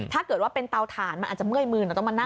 ถ้าเกิดว่าเป็นเตาถ่านมันอาจจะเมื่อยมืนแต่ต้องมานั่ง